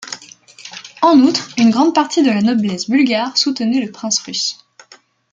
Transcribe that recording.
En outre, une grande partie de la noblesse bulgare soutenait le prince rus'.